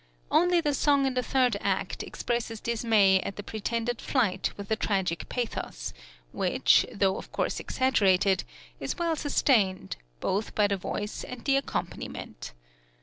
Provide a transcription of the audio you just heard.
Only the song in the third act (24) expresses dismay at the pretended flight with a tragic pathos, which, though of course exaggerated, is well sustained, both by the voice and the accompaniment.